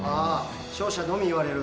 勝者のみ言われる。